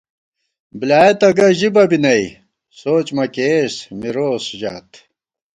بۡلیایَہ تہ گہ ژِبہ بی نئ سوچ مَکېئیس مِروس ژات